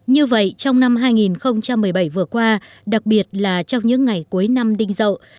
như vậy trong năm hai nghìn một mươi bảy vừa qua đặc biệt là trong những ngày cuối năm đinh dậu